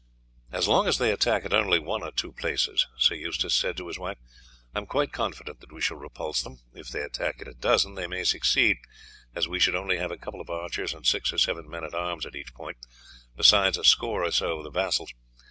"As long as they attack at only one or two places," Sir Eustace said to his wife, "I am quite confident that we shall repulse them. If they attack at a dozen they may succeed, as we should only have a couple of archers and six or seven men at arms at each point, besides a score or so of the vassals.